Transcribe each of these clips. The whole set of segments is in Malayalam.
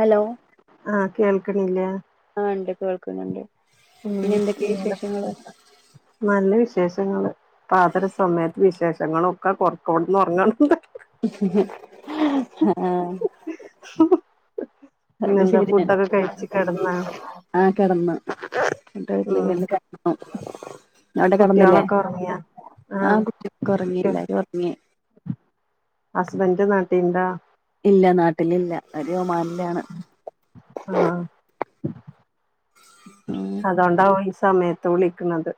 ഹലോ ആഹ് കേൾക്ക്ണില്ലേ? ആഹ് ഇണ്ട് കേൾക്ക്ണ് ണ്ട്. ഉം നല്ല വിശേഷങ്ങള്. പാതിര സമയത്ത് വിശേഷങ്ങളൊക്കെ [unintelligible] ഉറങ്ങണ് ആഹ പിന്നെ അത് എന്താ ശരിയാണ് ഫുഡൊക്കെ കഴിച്ച് കെടന്ന ആഹ് കെടന്ന് ഫുഡയിക്കലൊക്കെ ഉം കൈഞ്ഞ് കെട്ന്ന്. അവിടെ കടന്നില്ലേ കുട്ടികളൊക്കെ ഉറങ്ങിയാ ആഹ് കുട്ടിയൊക്കെ ഒർങ്ങി കുട്ടി എല്ലാരും ഒർങ്ങി. ഹസ്ബൻഡ് നാട്ടിണ്ടാ ഇല്ല നാട്ടിൽ ഇില്ല ഒര് ഒമാനിലാണ്. ആഹ് ഉം അതൊണ്ടാവും ഈ സമയ ത്ത് വിളിക്കുണത്.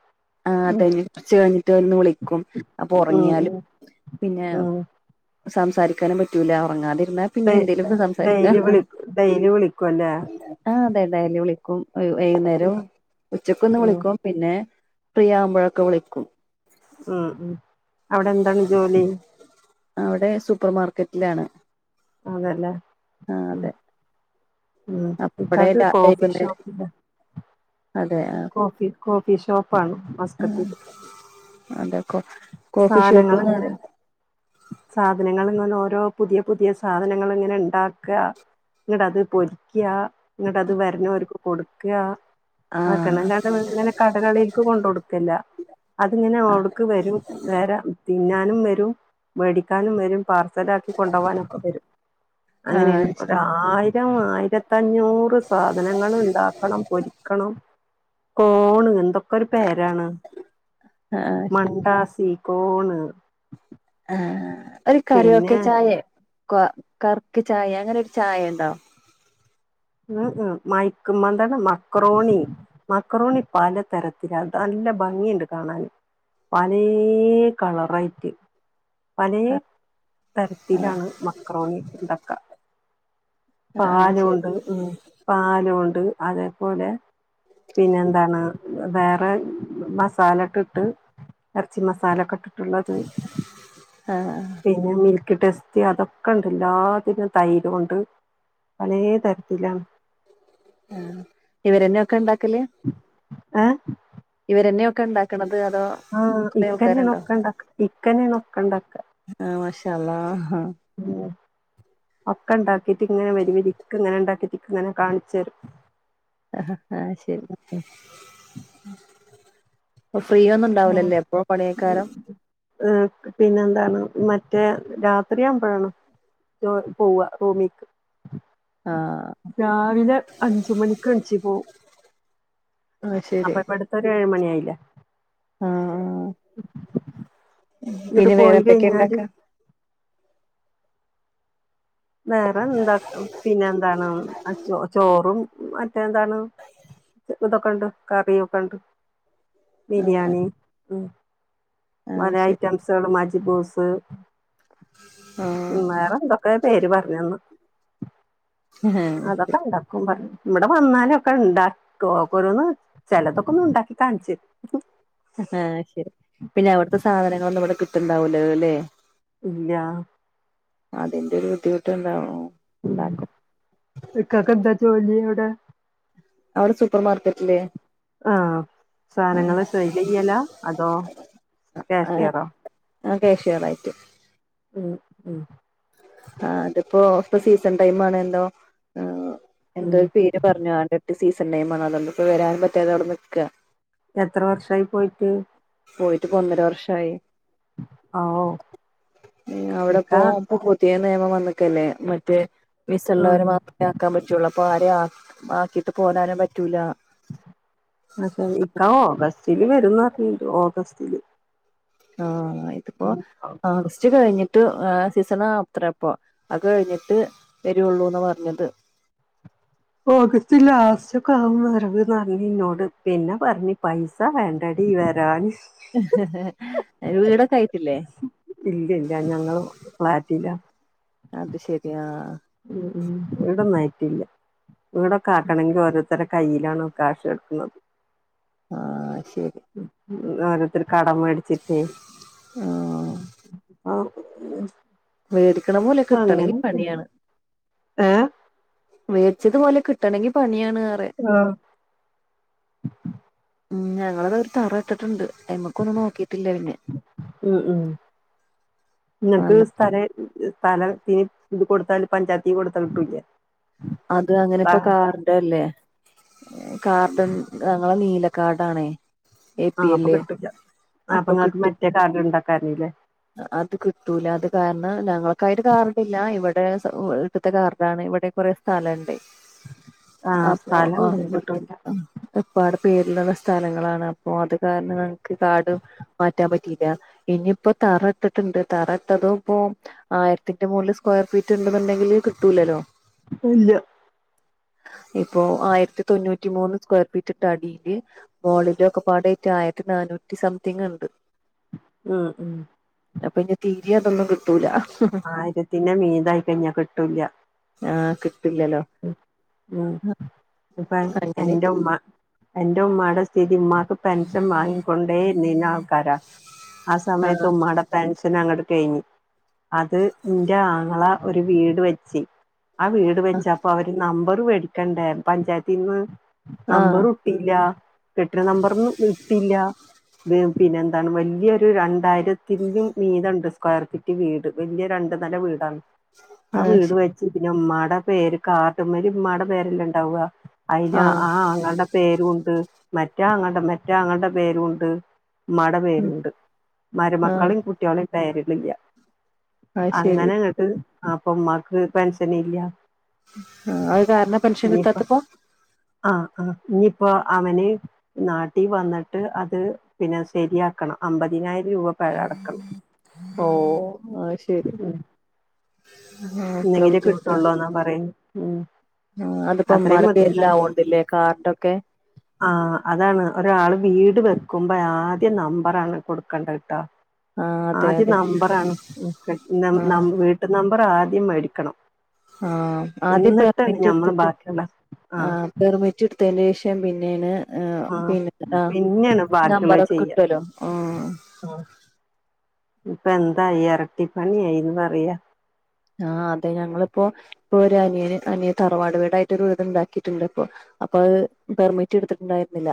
ആഹ് തന്നെ കുറച്ച് കഴിഞ്ഞിട്ട് ഒന്ന് വിളിക്കും അപ്പ ഉം ഉറങ്ങിയാല് ഉം പിന്നെ ഉം സംസാരിക്കാനും പറ്റൂല ഉറങ്ങാതിരുന്നാ പിന്നെ ഡെ എന്തേലുമൊക്കെ സംസാരിക്കാം ഡെയ്ലി വിളി ഡെയ്ലി വിളിക്കും അല്ലേ ആഹ് അതെ ഡെയ്‌ലി വിളിക്കും വൈകുന്നേരം ഉച്ചക്കൊന്ന് ഉം വിളിക്കും പിന്നെ ഫ്രിയാമ്പഴൊക്കെ വിളിക്കും ഉം ഉം അവിടെ എന്താണ് ജോലി അവിടെ സൂപ്പർ മാർക്കറ്റിലാണ് അതേല്ലേ ആഹ് അതെ ഉം ഉം അവിടെ ഇക്കാക്ക് കോഫി വൈകുന്നേരം ഷോപ്പിലാ അതെ ആഹ് കോഫി കോഫി ഷോപ്പാണോ ആ അതെ കോ കോഫി ഷോപ്പ് സാനങ്ങൾ ന്ന് ഇങ്ങനെ പറയും സാധനങ്ങൾ ഇങ്ങനെ ഓരോ പുതിയ പുതിയ സാധനങ്ങള് ഇങ്ങനെ ഇണ്ടാക്ക ഇന്നിട്ട് അത് പൊരിക്ക ഇന്നിട്ട് അത് വെര്ണോര്ക്ക് കൊടുക്കാ അക്കേണ് ആഹ് അല്ലാണ്ടെ ഇങ്ങനെ കടകളീക്ക് കൊണ്ടൊടുക്കല്ല അതിങ്ങനെ അവട്ക്ക് വരും വേറെ തിന്നാനും വരും മേടിക്കാനും വരും പാർസല് ആക്കി കൊണ്ടുപോകാനൊക്കെ വരും അങ്ങനേണ് ആഹ് ശരി ഒരായ് രം ആയിരത്തഞ്ഞൂറ് സാധനങ്ങൾ ഇണ്ടാക്കണം പൊരിക്കണം കോണ് എന്തൊക്കെ ഒരു പേരാണ് ആഹ് ശരി മണ്ടാസി കോണ് ആഹ് ഒരു പിന്നെ കരോക്കെ ചായെ കറുക്ക് ചായേ അങ്ങനെ ഒരു ചായ ഇണ്ടോ ഉം ഉം മയക്കുമ്മന്താണ് മക്രോണി മക്രോണി പലതരത്തിലാ അത് നല്ല ഭംഗിണ്ട് കാണാൻ പലേ കളറായിട്ട് പലേ തരത്തിലാണ് മക്രോണി ഇണ്ടാക്ക ആഹ് ആഹ് ശരി പാലുംണ്ട് ഉം പാലും ഇണ്ട് അതേപോലെ പിന്നെ എന്താണ് വേറെ മസാല ഇട്ടിട്ട് ഇറച്ചി മസാലൊക്കെ ഇട്ടിട്ട്ള്ളത് ആഹ പിന്നെ മിൽക്ക് ടെസ്റ്റ് അതൊക്കെ ഇണ്ട് എല്ലാത്തിനും തൈരുംണ്ട് പലേ തരത്തി ത്തിലാണ് ആഹ് ഇവരെന്നെ ഒക്കെ ഇണ്ടാക്കല് ആഹ് ഇവരെന്നെ ഒക്കെ ഇണ്ടാക്ക്ണത് അതോ ആഹ കുറെ ഇക്കന്നെ ആൾക്കാരുണ്ടോ ഒക്കെണ്ടാക്ക ഇക്കന്നെണ് ഒക്കെ ഇണ്ടാക്ക ആഹ മാഷാ അല്ലാഹ് ഉം ഒക്കെ ഇണ്ടാക്കിട്ട് ഇങ്ങനെ വരി വരിക്ക് ഇങ്ങനെ ഇണ്ടാക്കിട്ട് ഇക്കിങ്ങനെ കാണിച്ചെരും ആ ആഹ ശരി അപ്പൊ ഫ്രീ ഒന്നും ആഹ് ഇണ്ടാവുലല്ലേ അപ്പോ പണിയേക്കാരം ഏഹ് പിന്നെ എന്താണ് മറ്റേ രാത്രിയാമ്പഴാണ് പോവ റൂമിക്ക് ആഹ രാവിലെ അഞ്ച്മണിക്ക് എണിച്ചു പോവും ആഹ് ശരി അപ്പൊ ഇവിടു ഒര് ഏഴ് മണി ആയില്ലെ ആഹ ആഹ എന്നിട്ട് പിന്നെ പോയി വേറെന്തൊക്കെ ഇണ്ടാക്ക കഴിഞ്ഞാല് വേറെ എന്താ പിന്നെ എന്താണ് ചോറും മറ്റേ എന്താണ് ഇതൊക്കെ ഉണ്ട് കറിയൊക്കെണ്ട് ബിരിയാണി ഉം ആഹ് പല ശരി ഐറ്റംസുകള് മജിപൂസ് ആഹ് വേറെ എന്തൊക്കെ പേര് പറഞ്ഞളൂ ആഹ് അതോ കണ്ട ഇവിടെ വന്നാല ഒക്കെ ഉണ്ടാക്കോന്ന് ചിലതൊക്കെ ഒന്നും ഉണ്ടാക്കി കാണിച്ചി ആഹ് ശരി പിന്നെ അവിടുത്തെ സാധനങ്ങളൊന്നും ഇവിടെ കിട്ടുണ്ടാവലോ അല്ലേ ഇല്ല അതിന്റെ ഒരു ബുദ്ധിമുട്ട് ഇണ്ടാവും ഉണ്ടാക്കും ഇക്കാക്കെന്താ ജോലിവിടെ? അവിടെ സൂപ്പർ മാർക്കറ്റിലേ, ആഹ്, സാധനങ്ങള് സൈല് ചെയ്യലാ അതോ? ഏഹ് കാഷ്യറോ ആഹ് കേഷറായിട്ട്, ഉം ഉം ആഹ് അത്പ്പോ ഇപ്പ സീസൺ ടൈം ആണല്ലോ ഉം. എന്തോരു പേര് പറഞ്ങ്ങാണ്ട്, സീസൺ ടൈമാണ് അതൊണ്ട് ഇപ്പം വരാൻ പറ്റാതെ അവിടെ നിക്ക, എത്ര വർഷായി പോയിട്ട്? പോയിട്ട്പ്പൊ ഒന്നര വർഷായി ഓ ഇക്ക അവിടെപ്പോ, പ്പം പുതിയ നിയമം വന്ന്ക്കല്ലേ മറ്റേ ഉം, വിസള്ളവരെ മാത്രമേ ആക്കാൻ പറ്റുള്ളൂ, അപ്പൊ ആരെ ആക്കിട്ട് പോരാനും പറ്റൂല, പക്ഷെ ഇക്ക ഓഗസ്റ്റില് വരും പർഞ്ഞിണ്ട് ഓഗസ്റ്റില്, ആഹ് ഇതിപ്പോ ആഗസ് ച്ച് കഴിഞ്ഞിട്ട് സീസൺ അത്രെപ്പ അത് കഴിഞ്ഞിട്ട് വരുള്ളൂന്ന് പറഞ്ഞത്, ഓഗസ്റ്റ് ലാസ്റ്റ് ഒക്കെ ആവുവരവ് പർഞ്ന്നോട് പിന്നെ പറഞ്ഞ് പൈസ് സാ വേണ്ടടീ വരാൻ, വീടൊക്കെ ആയിട്ടില്ലേ? ഇല്ല ഇല്ല ഞങ്ങള് ഫ്ലാറ്റില, അത് ശെരി ആഹ്, ഉം വീടൊന്നും ആയിട്ടില്ല, വീടൊക്കെ ആക്കണങ്കിൽ ഓരോരുത്തര്ടെ കയ്യിലാണ് കാശ് കെടക്കുന്നത്, ആഹ് ശെരി, ഓരോരുത്തരു കടം മേടിച്ചിട്ടേ, ആഹ് ഉ വേടിക്കണ പോലെ കിട്ടണെങ്കിൽ പണിയാണ്, ഏഹ്? വേടിച്ചതുപോലെ കിട്ടണെങ്കി പണിയാണ് പർയാ, ആഹ്, ഉം ഞങ്ങളത് ഒരു തറ ഇട്ടിട്ടുണ്ട് അയ്മക്കൊന്നും നോക്കിയിട്ടില്ല പിന്നെ, ഉ ഉം നിങ്ങക്ക് വന്നിട്ട് സ്ഥല സ്ഥലംത്തിനി ഇത് കൊടുത്താല് പഞ്ചായത്തി കൊടുത്താൽ കിട്ടൂലേ? അത് ആ അങ്ങനെപ്പ കാർണ്ടല്ലേ,. കാർഡൻ ഞങ്ങളെ നീലക്കാർടാണേ, ആഹ് അപ്പൊ കിട്ടില്ല, ആഹ് അപ്പൊ നിങ്ങക്ക് മറ്റേ കാർഡിൽ ഉണ്ടാക്കാരുന്നില്ലേ? അത് കിട്ടൂല അത് കാരണം ഞങ്ങൾക്കായിട്ട് കാർഡില്ല ഇവിടെ, ഇവ്ടത്തെ കാർഡാണ് ഇവിടെ കുറെ സ്ഥലംണ്ട് ആഹ് അപ്പൊ സ്ഥലം ആഹ് ഇണ്ടെങ്കി ഇ കിട്ടൂല ഇപ്പാടെ പേരിലുള്ള സ്ഥലങ്ങളാണ് അപ്പൊ അത് കാരണം ഞങ്ങക്ക് കാർടും മാറ്റാൻ പ റ്റില്ല ഇനിയിപ്പോ തറ ഇട്ടിട്ട്ണ്ട് തറട്ടതും ഇപ്പോ ആയിരത്തിന്റെ മോളില് സ്ക്വയർ ഫീറ്റ് ഇണ്ടെന്നുണ്ടെങ്കില് കിട്ടൂലലോ. ഇല്ല ഇപ്പോ ആയിരത്തി തൊണ്ണൂറ്റി മൂന്ന് സ്ക്വയർ ഫീറ്റ്ട്ട് അടിയില് മോളിലൊക്ക പാടയ്റ്റ് ആയിരത്തി നാനൂറ്റി സംതിങ് ഇണ്ട്. ഉം ഉം അപ്പ ഇഞ്ഞ് തീരെ അതൊന്നും കിട്ടൂല. ആയിരത്തിന്റെ മീതായി കഴിഞ്ഞാൽ കിട്ടൂല്ല. ആ കിട്ടില്ലല്ലോ. ഉം ഉം ഇപ്പഹ് എന്റെ അങ്ങനെയിട്ട് ഉമ്മ എന്റെ ഉമ്മാടെ സ്ഥിതി ഉമ്മാക്ക് പെൻഷൻ വാങ്ങിക്കൊണ്ടേ നീന കാര ആ സമയത്ത് ഉമ്മാടെ പെൻഷൻ അങ്ങട്ട് കഴിഞ്ഞ്. അത് ഇൻ്റെ ആങ്ങള ഒരു വീട് വെച്ച് ആ വീ ട് വെച്ചപ്പോ അവര് നമ്പർ വേടിക്കണ്ടേ പഞ്ചായത്തിന്ന് ആഹ് നമ്പറു ട്ടില്ല കെട്ടിട നമ്പർന്നും ഇട്ടില്ല. ത് പിന്നെന്താണ് വല്യൊര് രണ്ടായിരത്തിലും മീ മീതണ്ട് സ്ക്വയർ ഫീ റ്റ് വീട് വല്യേ രണ്ട് നെല വീടാണ്. ആ ആഹ് ശ വീട് വെച്ച് പിന്നെ ഉമ്മാടെ പേര് കാർട്മ്മല് ഉമ്മാടെ പേരല്ലേണ്ടാവാ. അയില് അ ആഹ് ആ ആങ്ങൾടെ പേരുണ്ട് മറ്റേ ആങ്ങൾടെ മറ്റാ ആങ്ങൾടെ പേരുണ്ട്. ഇമ്മാടെ ഉം പേര്ണ്ട് ആഹ് മരുമക്കളിം കൂട്ട്യാളേം പേര്ലില്ല. അത് ശരി അങ്ങനെ ഇങ്ങട്ട് അപ്പൊ ഇമ്മാക്ക് പെൻഷനില്ല. ആ അത് കാരണ പെൻഷൻ ഇനിയിപ്പ കിട്ടാത്തപ്പോ ആഹ് ആഹ് ഇഞ്ഞിപ്പോ അവന് നാട്ടീ വന്ന്ട്ട് അത് പിന്നെ ശരിയാക്കണം അമ്പതിനായിരം രൂപ പെഴ അടക്കണം. ഓഹ് അഹ്ശരി ഉം ആഹ് എത്ര ഇന്നെങ്കിലേ ബുദ്ധിമുട്ട കിട്ടുള്ളൂന്നാ പറയുന്നെ ഉം ആ അതിപ്പോ അത്രയും ഉമ്മാടെ ബുദ്ധിമുട്ടാണ് പേരിലാവോണ്ടില്ലേ കാർഡൊക്കെ. ആ അതാണ് ഒരാള് വീട് വെക്കുമ്പേ ആദ്യം നമ്പറാണ് കൊടുക്കണ്ടത്ട്ടോ. ആഹ് അതെ ആദ്യം അതെ നമ്പറാണ് ആഹ് [unintelligible] വീട്ട് നമ്പറാദ്യം മേടിക്കണം. ആ ആദ്യം എന്നിട്ടാണ് ഞമ്മള് പെർമിറ്റ്ട്ത്തിട്ട് ബാക്കിയുള്ള ആ ആഹ് പെർമിറ്റ്ട് ത്തെനേഷം പിന്നേണ് ആഹ് പിന്നെ ആഹ് പിന്നെയാണ് നമ്പറൊക്കെ കിട്ടുലോ ആഹ്. ആ ഉം ഇപ്പന്തായി എരട്ടിപ്പണിയായിന്ന് പറയാ. ആ അതെ ഞങ്ങള്പ്പോ ഇപ്പൊരു അനിയന് അനിയൻ തറവാട് വീടായിട്ടൊരു വീട്ണ്ടാക്കിട്ട്ണ്ട്പ്പൊ. അപ്പ അഹ് പെർമിറ്റ്ട്ത്തിട്ട് ണ്ടായിരുന്നില്ല.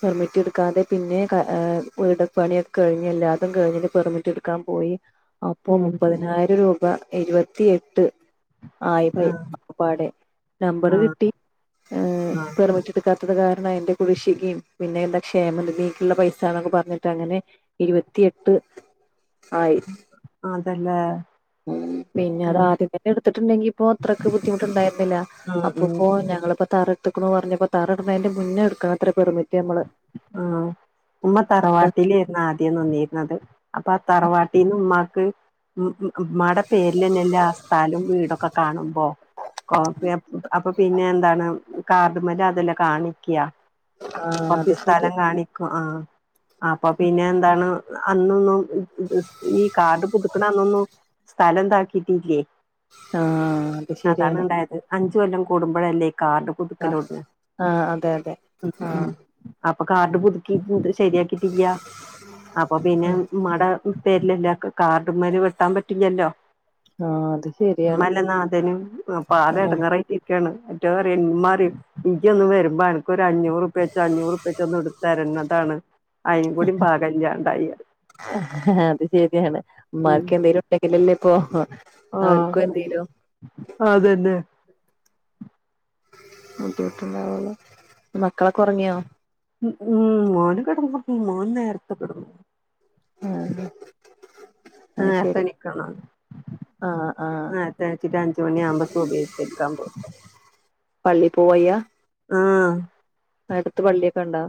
പെർമിറ്റ്ട്ക്കാതെ പിന്നേം ക ഏഹ് വീട്പണിയൊക്കെ കഴിഞ്ഞ് എല്ലാത കഴിഞ്ഞ് ഇനി പെർമിറ്റ്ട് ക്കാൻ പോയി അപ്പൊ ഉം മുപ്പതിനായിരം രൂപ ഇരുപത്തിയെട്ട് ആയി പൈ ആഹ് ഒക്കപ്പാടെ നമ്പറ് ആഹ് കിട്ടി ഏ ആഹ് പെർമിറ്റ് ടുക്കാത്തത് കാരണം അതിന്റെ കുടിശ്ശികീം പിന്നെ എന്താ ക്ഷേമ നിധിക്ക്ള്ള പൈസന്നൊക്കെ പറഞ്ഞിട്ട് അങ്ങനെ ഇരുപത്തിയെട്ട് ആയി അതല്ലെ. ഉം പിന്നെ അത് ആദ്യം തന്നെ എടുത്തിട്ടുണ്ടെങ്കി ഇപ്പോ അത്രക്ക് ബുദ്ധി മുട്ടുണ്ടായിരുന്നില്ല. ഉം ഉം അപ്പപ്പോ ഞങ്ങളിപ്പ തറട്ട്ക്ക്ണു പറഞ്ഞപ്പോ തറട്നെയ്ന്റെ മുന്നേ എടുക്കാണത്രെ പെർമി ആ ഉമ്മ തറവാട്ടിലേര്ന്ന് ആദ്യം നിന്നീര്ന്നത്. അപ്പാ തറവാട്ടീന്ന് ഉമ്മാക്ക് ഉം മ്മടെ പേരിലെന്നെല്ലാ സ്ഥലും വീടൊക്കെ കാണുമ്പോ കോപ്പി അപ്പൊ പിന്നെ എന്താണ് കാർഡ്മലതല്ലെ കാണിക്ക ആഹ് കോർച്ച് അത് ശരിയാ സ്ഥലം കാണിക്കും ആഹ് അപ്പൊ പിന്നെ എന്താണ് അന്നൊന്നും ഇ ഇത് സ് ഈ കാർഡ് പുതുക്കണന്നൊന്നും സ്ഥലം ന്താക്കിട്ടില്ലേ ആഹ് അത് അതാണ് ശരിയാണ് ണ്ടായത് അഞ്ച്കൊല്ലം കൂടുമ്പോഴല്ലേ ഈ കാർഡ് പുതുക്കലോടങ്ങ ആഹ് അതെ അതെ ഉം ഉം ആഹ് അപ്പൊ കാർഡ് പുതുക്കി ഇത് ശരിയാക്കിട്ടില്യ അപ്പൊ പിന്നെമ്മാടെ പേരിലില്ല ഒക്കെ കാർഡ്മ്മല് വെട്ടാൻ പറ്റില്ലല്ലോ ആഹ് അത് ശരിയാണ് മ്മല്ലേ നാഥനും ആ പ്പാകെടങ്ങറായിട്ടി ക്കാണ് മറ്റൊന്പറിയും മ്മറിയും ഇയ്യോന്ന് വരുമ്പോ അനക്കൊരഞ്ഞൂറു ചന്നൂറുപ്യച്ച് ഒന്നുടുത്തര്ന്നതാണ് അയിനും കൂടി പാകല്ലാണ്ടായി ആഹ് അത് ശരിയാണ് ഉം ഉമാർക്കെന്തെങ്കിലും ണ്ടങ്കില്ലല്ലേപ്പൊ ആഹ് അവർക്കും എന്തേലോ അതന്നെ ബുദ്ധിമുട്ടുണ്ടാവുലെ മക്കളൊക്കൊറങ്ങിയോ ഉം ഉം മോന് കെടന്നൊറങ്ങി മോൻ നേരത്തെ കെടന്നു ആഹ് അത് ശരി നേരത്തെനിക്കണന്ന് ആഹ് ആഹ് ആത്തഴച്ചിട്ട അഞ്ച മണിയ ആവുമ്പോ സുബ്‌ഹ്കരിക്കാ പോവു പള്ളി പോവയ്യാ ആഹ് ഉണ്ടോ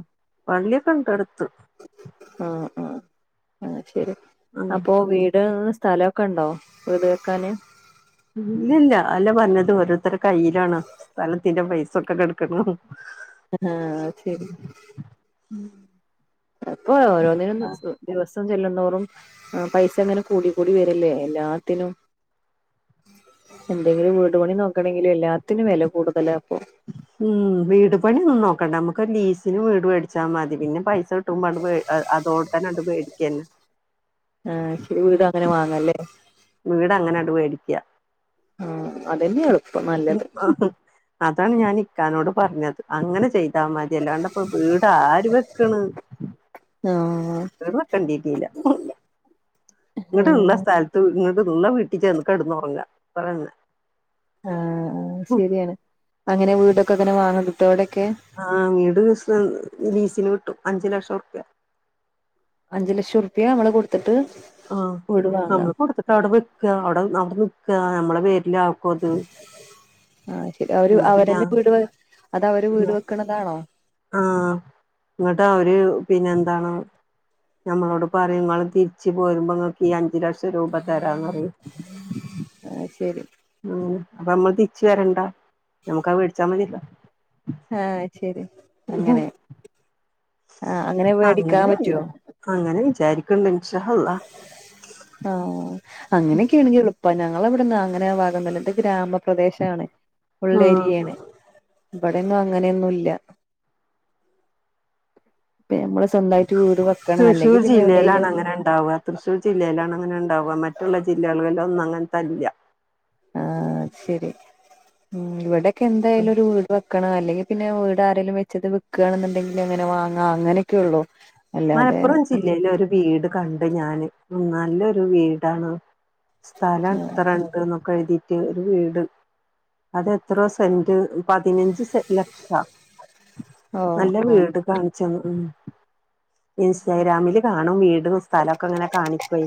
പള്ളിയക്കണ്ടടുത്തു ആഹ് ആഹ് ആഹ് ശരി ആഹ് അപ്പൊ വീട് സ്ഥലമൊക്കെ ഉണ്ടോ വീട് വെക്കാന് ഇല്ല ഇല്ല അല്ല പറഞ്ഞത് ഓരോരുത്തരുടെ കയ്യിലാണ് സ്ഥലത്തിന്റെ പൈസൊക്കെ കിടക്കണ് ആഹ് ശരി മ്മ് അപ്പൊ ഓരോന്നിനും സ് ദിവസം സം ചെല്ലുന്നോറും പൈസങ്ങനെ കൂടി കൂടി വരില്ലേ എല്ലാത്തിനും എന്തെങ്കിലും വീട് പണി നോക്കണെങ്കിൽ എല്ലാത്തിനും വില കൂടുതലാപ്പൊ ഉം വീട് പണിയൊന്നും നോക്കണ്ട നമുക്ക് ലീസിന് വീട് മേടിച്ചാൽ മതി പിന്നെ പൈസ ട്ടുമണ്ട് അത് അതോടക്കാനാണ്ട് മേടിക്കന്നെ ആഹ് ഇച്ചിരി വീട് അങ്ങനെ വാങ്ങല്ലേ വീട് അങ്ങനെടു മേടിക്ക ആഹ് അതന്നെയ എളുപ്പം നല്ലത് അതാണ് ഞാൻ ഇക്കാനോട് പറഞ്ഞത് അങ്ങനെ ചെയ്താൽ മതി അല്ലാണ്ടപ്പോ വീടാര് വെക്കണ് ആഹ് [unintelligible] ഇവിട്ടുള്ള ആഹ് സ്ഥലത്ത് ഇങ്ങോട്ട്ള്ള വീട്ടിൽ ചേന്ന് കിടന്ന്റങ്ങ അത്രറാന്നെ ആഹ് ആഹ് ശരിയാണ് അങ്ങനെ വീടൊക്കെ അങ്ങനെ വാങ്ങിട്ടോ അവിടെക്കെ ആഹ് വീട് ലീസ് ലീസിന് കിട്ടും അഞ്ചു ലക്ഷം ർപ്യ അഞ്ചു ലക്ഷം റുപ്യ നമ്മള് കൊടുത്തിട്ട് ആഹ് വീടുവാങ്ങ നമ്മള് കൊടുത്തിട്ട് അവിടെ വെക്ക അവിടെ അവിടെ നിക്കാ നമ്മളെ പേരില ആക്കു അത് ആഹ് ശരി അവര് ഇങ്ങട്ട് അവരെ ഞാൻ വീട് അത അവര് വീട് വെക്കണതാണോ ആഹ് ഇങ്ങട്ട് അവര് പിന്നെ എന്താണ് ഞമ്മളോട് പറയും ഇങ്ങള് തിരിച്ച് പോരുമ്പോ ഇങ്ങക്ക് ഈ അഞ്ച് ലക്ഷം രൂപ തരാന്ന് പറയും ആഹ് ശരി അങ്ങനെ അപ്പൊ നമ്മള് തിരിച്ച് വരണ്ടാ നമ്മുക്കത് വേടിച്ചാ മതിയല്ലോ ആഹ് ശരി അങ്ങനെ ആഹ് അങ്ങനെ വേടിക്കാൻ അങ്ങനെ പറ്റോ അങ്ങനെ വിചാരി ക്ക്ന്ന് ഇൻഷാ അള്ളാ ആഹ് അങ്ങനെക്കാണെങ്കി എള് പ്പാ ഞങ്ങളെ ഇവിടന്ന് അങ്ങനെ ഭാഗന്നല്ല ഇത് ഗ്രാമ പ്രദേശാണ് ആഹ് ഉള്ളേരിയയാണ് ഇബടെന്നും അങ്ങനെയൊന്നും ഇല്ല ഇപ്പ നമ്മള് സ്വന്തായിട്ട് വീട് വെക്കണം അല്ലെങ്കി തൃശ്ശൂർ പിന്നെ ജില്ലയിലാണ് എവിടേലും അങ്ങനെ ഇണ്ടാവ തൃശ്ശൂർ ജില്ലയിലാണ് അങ്ങനെ ഇണ്ടാവ മറ്റ്ള്ള ജില്ലകളിലൊന്നു അങ്ങൻത്തത് ഇല്ല ആഹ് ശരി ഉം ഇവിടെക്കെ എന്തായാലും ഒരു വീട് വെ ക്കണം അല്ലെങ്കി പിന്നെ വീട് ആരേലും വെച്ചത് വിക്കാണ്ന്ന്ണ്ടെങ്കില് അങ്ങനെ വാങ്ങാ അങ്ങനെയൊക്കൊള്ളൂ മലപ്പുറം ജില്ലയില ഒരു വീട് കണ്ട് ഞാന് നല്ലൊരു വീടാണ് സ്ഥലം അത്ര ഇണ്ട്ന്നും ക്കെഴ്തീട്ട് ഒരു വീട് അത് എത്രോ സെന്റ് പതിനഞ്ച് സെ ലക്ഷ ഓ നല്ല ഓ വീട് കാണിച്ചെന്ന് ഉം ഇൻസ്റ്റാഗ്രാമില് കാണും വീടും സ്ഥലൊക്കെ ഇങ്ങനെ കാണിക്കും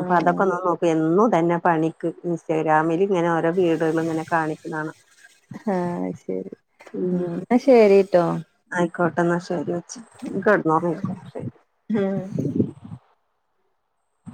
അപ്പൊ അതൊക്കൊന്ന് നോ എന്നും ഇതെന്നെ പണി ക്ക് ഇൻസ്റ്റഗ്രാമില് ഇങ്ങനെ ഓരോ വീടേള് ഇങ്ങനെ കാണിക്ക്ന്ന കാണാ ഉം ഇന്നാ ശെരി ട്ടോ ആയിക്കോട്ടെ ഇന്നാ ശെരി വെച്ച് ഇനി കെടന്നോറ്ങ്ങിക്കോ ശെ ഉം ഉ